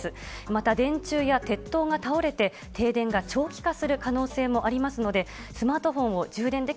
また電柱や鉄塔が倒れて、停電が長期化する可能性もありますので、スマートフォンを充電で